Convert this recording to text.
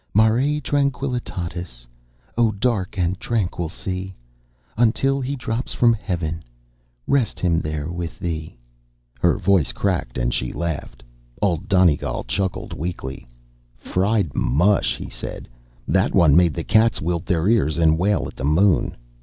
"Mare Tranquillitatis, O dark and tranquil sea, Until he drops from heaven, Rest him there with thee ..." Her voice cracked, and she laughed. Old Donegal chuckled weakly. "Fried mush," he said. "That one made the cats wilt their ears and wail at the moon.